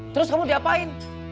terus kamu diapain